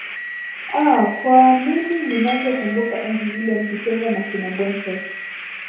aa kwa mimi ninavyo kumbuka enzi zile mkicheza na kina boniface